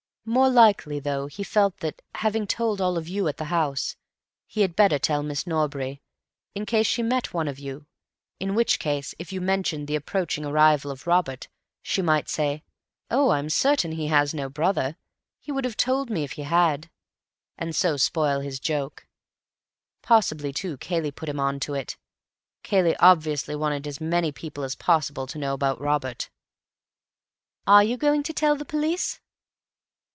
More likely, though, he felt that, having told all of you at the house, he had better tell Miss Norbury, in case she met one of you; in which case, if you mentioned the approaching arrival of Robert, she might say, 'Oh, I'm certain he has no brother; he would have told me if he had,' and so spoil his joke. Possibly, too, Cayley put him on to it; Cayley obviously wanted as many people as possible to know about Robert." "Are you going to tell the police?"